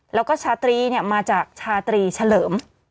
แล้วก็ชาตรีมาจากชาตรีเฉลิม